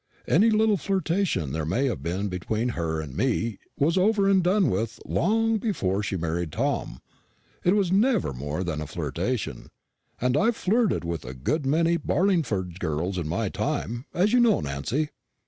Any little flirtation there may have been between her and me was over and done with long before she married Tom. It never was more than a flirtation; and I've flirted with a good many Barlingford girls in my time, as you know, Nancy."